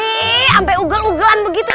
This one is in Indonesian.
sih ampe ugel ugelan begitu